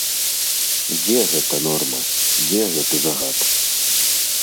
Дзе гэта норма, дзе гэты загад?